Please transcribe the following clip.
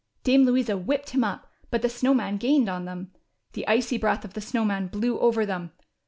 Dame Louisa whipped him up, but the Snow Man gained on them. The icy breath of the Snow Man blew over them.